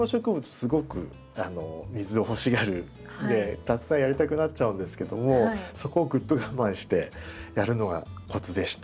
すごく水を欲しがるのでたくさんやりたくなっちゃうんですけどもそこをぐっと我慢してやるのがコツでして。